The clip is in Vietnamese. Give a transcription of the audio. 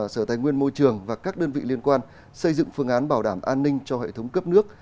sở tài nguyên môi trường và các đơn vị liên quan xây dựng phương án bảo đảm an ninh cho hệ thống cấp nước